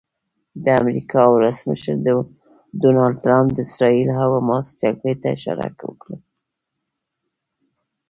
د امریکا ولسمشر ډونالډ ټرمپ د اسراییل او حماس جګړې ته اشاره وکړه.